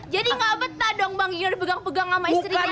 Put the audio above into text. jadi gak betah dong bang gino dipegang pegang sama istrinya ya